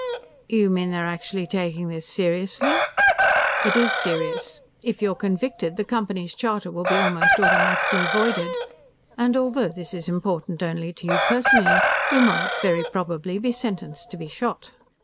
"You mean they're actually taking this seriously?" "It is serious. If you're convicted, the Company's charter will be almost automatically voided. And, although this is important only to you personally, you might, very probably, be sentenced to be shot."